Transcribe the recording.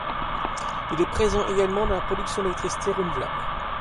Il est présent également dans la production d'électricité renouvelable.